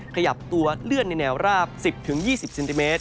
ขยับตัวเลื่อนในแนวราบ๑๐๒๐เซนติเมตร